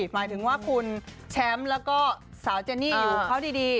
หมายถึงว่าคุณแชมป์แล้วก็สาวเจนี่อยู่กับเขาดี